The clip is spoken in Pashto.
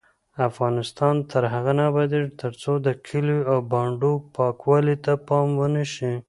افغانستان تر هغو نه ابادیږي، ترڅو د کلیو او بانډو پاکوالي ته پام ونشي.